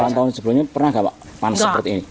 tahun tahun sebelumnya pernah nggak panas seperti ini